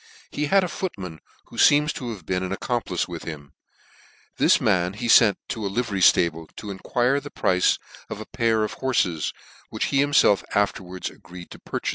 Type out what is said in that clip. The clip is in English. He had a footman who feems to have been an accomplice with him. This man he fent to a Jivery ftable, to enquire the price of a pair of horfcs, which he himfelf afterwards agreed to purchafe, AL.